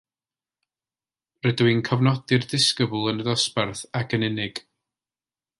Rydw i'n cofnodi'r disgybl yn y dosbarth ac yn unig